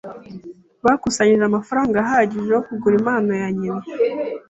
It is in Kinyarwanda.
Bakusanyije amafaranga ahagije yo kugura impano ya nyina.